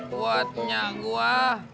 buat minyak gue